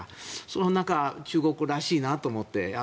そんな中、中国らしいなと思って。